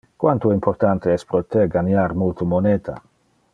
Quanto importante es pro te ganiar multe moneta?